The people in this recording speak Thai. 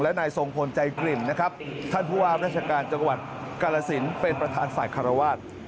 และนายทรงพลใจกลิ่นนะครับท่านผู้ว่าราชการจังหวัดกาลสินเป็นประธานฝ่ายคารวาส